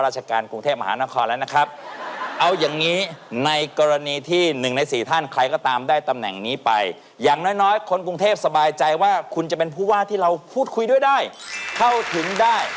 ไส้ดูแลอันนี้ที่๑ใน๔ท่านใครก็ตามได้ตำแหน่งนี้ไปอย่างน้อยคนกรูงเทพสบายใจว่าคุณจะเป็นผู้ว่าที่เราพูดคุยด้วยได้เข้าถึงได้